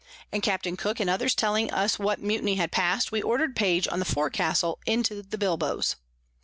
And Capt. Cook and others telling us what Mutiny had pass'd, we order'd Page on the Fore Castle into the Bilboes.